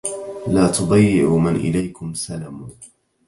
لا تضيعوا من إليكم سلموا